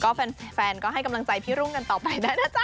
ก็แฟนก็ให้กำลังใจพี่รุ่งกันต่อไปได้นะจ๊